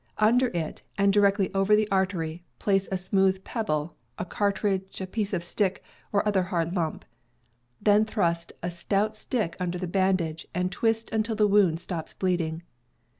Under it, and directly over the artery, place a smoothe pebble, a cartridge, piece of stick, or other hard lump. Then thrust a stout stick under the bandage, and twist until the wound stops bleeding.